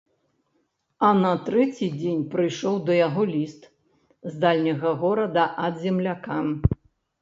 А на трэці дзень прыйшоў да яго ліст з дальняга горада ад земляка.